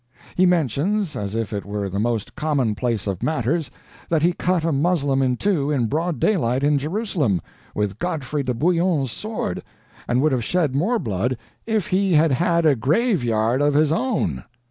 He mentions, as if it were the most commonplace of matters, that he cut a Moslem in two in broad daylight in Jerusalem, with Godfrey de Bouillon's sword, and would have shed more blood _if he had had a graveyard of his own.